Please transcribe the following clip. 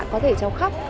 có thể cháu khóc